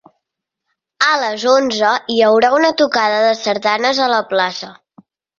A les onze hi haurà una tocada de sardanes a la plaça.